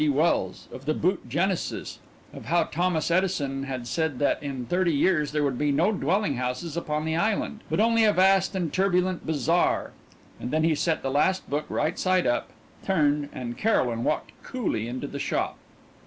G. Wells, of the book of Genesis, of how Thomas Edison had said that in thirty years there would be no dwelling houses upon the island, but only a vast and turbulent bazaar; and then he set the last book right side up, turned and Caroline walked coolly into the shop.